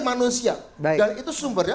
manusia dan itu sumbernya